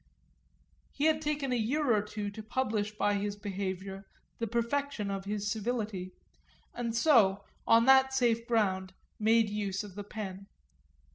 He had taken a year or two to publish by his behaviour the perfection of his civility, and so, on that safe ground, made use of the pen.